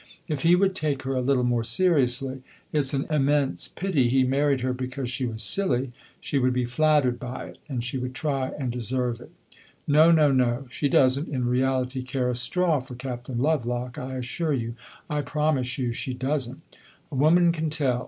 If he would take her a little more seriously it 's an immense pity he married her because she was silly! she would be flattered by it, and she would try and deserve it. No, no, no! she does n't, in reality, care a straw for Captain Lovelock, I assure you, I promise you she does n't. A woman can tell.